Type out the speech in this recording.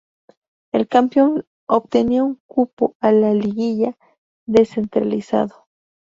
El campeón obtenía un cupo a la Liguilla Descentralizado.